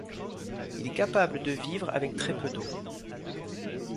Il est capable de vivre avec très peu d'eau.